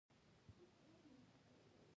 د افغانستان په منظره کې نفت ښکاره دي.